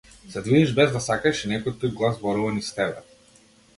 Се движиш без да сакаш и некој туѓ глас зборува низ тебе.